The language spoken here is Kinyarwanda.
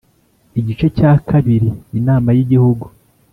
Igice cya kabiri Inama y igihugu